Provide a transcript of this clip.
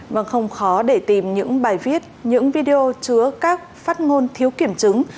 vâng không khó để tìm những bài viết những video chứa các phát ngôn thiếu kiểm chứng